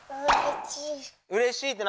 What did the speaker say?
うれちい。